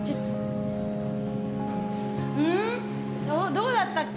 どうだったっけ？